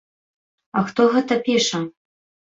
А хто гэта піша?